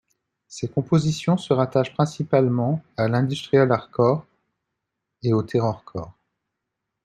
Ses compositions se rattachent principalement à l'industrial hardcore et au terrorcore.